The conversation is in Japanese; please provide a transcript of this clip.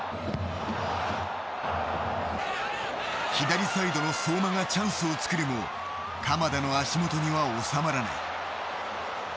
左サイドの相馬がチャンスをつくるも鎌田の足元には収まらない。